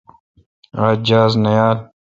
آج جاز نہ یال۔